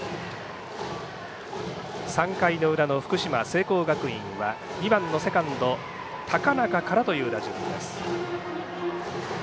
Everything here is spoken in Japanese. ３回の裏の福島、聖光学院は２番のセカンド高中からという打順です。